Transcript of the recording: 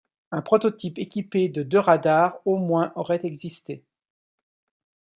Un prototype équipé de deux radars au moins aurait existé.